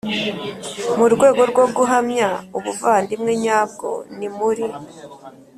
mu rwego rwo guhamya ubuvandimwe nyabwo. ni muri